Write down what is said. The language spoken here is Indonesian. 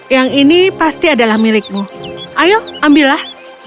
yang ini pasti adalah milikmu ayo ambillah